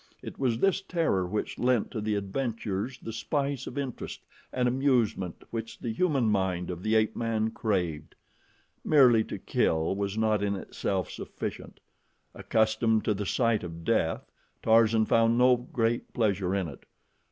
It was this terror which lent to the adventures the spice of interest and amusement which the human mind of the ape man craved. Merely to kill was not in itself sufficient. Accustomed to the sight of death, Tarzan found no great pleasure in it.